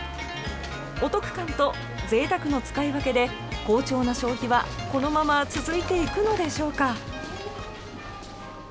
お得感とぜいたくの使い分けで好調な消費はこのまま続いていくのでしょうか。